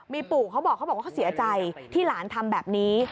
มีปู่เขาบอกเขาบอกว่าเขาเสียใจที่หลานทำแบบนี้